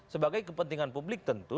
sebagai kepentingan publik tentu